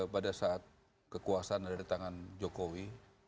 pada saat kekuasaan ada di tangan jokowi